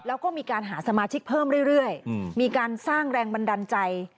แล้วก็มีการหาสมาชิกเพิ่มเรื่อยมีการสร้างแรงบันดาลใจ